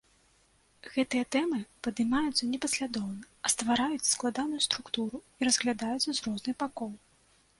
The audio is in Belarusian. Гэтыя тэмы падымаюцца не паслядоўна, а ствараюць складаную структуру і разглядаюцца з розных бакоў.